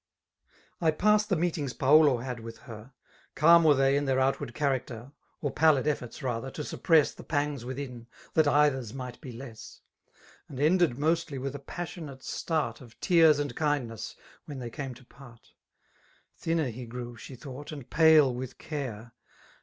• I pass the meetings Paulo had with her :•— Calm were they in thueir outward character. Or pallid efforts, rather, to suppress The pangs within, that cither's might be less > And ended mostly witb a passionate start Of tears and kindness, when they came to part. Thinner be grew, she thought, and pale with care